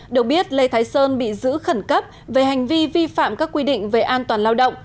được biết lê thái sơn bị giữ khẩn cấp về hành vi vi phạm các quy định về an toàn lao động